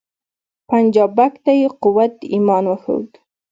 پنجابک ته یې قوت د ایمان وښود